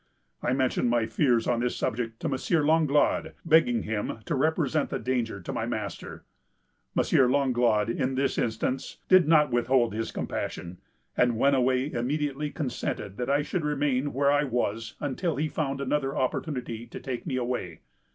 I mentioned my fears on this subject to M. Langlade, begging him to represent the danger to my master. M. Langlade, in this instance, did not withhold his compassion; and Wenniway immediately consented that I should remain where I was, until he found another opportunity to take me away."